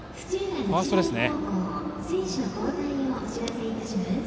ファーストですね。